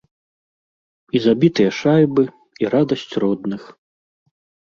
І забітыя шайбы, і радасць родных.